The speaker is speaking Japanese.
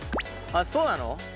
あっそうなの？